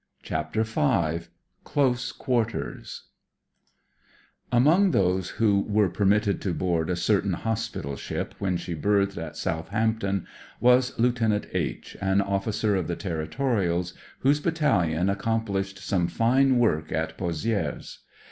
)) CHAPTER V CLOSE QUABTEBS Among those who were permitted to board a certain hospital ship when she berthed at Southampton was Lieut. H , an officer of the Territorials, whose Battalion accompUshed some fine work at Pozidres.